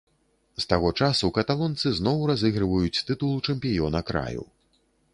З таго часу каталонцы зноў разыгрываюць тытул чэмпіёна краю.